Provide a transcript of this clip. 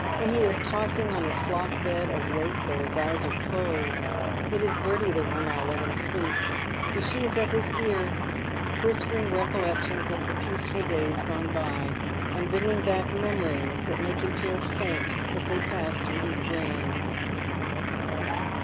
' When he is tossing on his flock bed, awake though his eyes are closed, it is Bertie that will not let him sleep, for she is at his ear, whisper ing recollections of the peaceful days gone by, and bringing back memories that make him feel faint as they pass through his brain.